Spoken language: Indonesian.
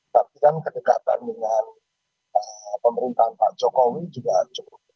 tapi kan kedekatan dengan pemerintahan pak jokowi juga cukup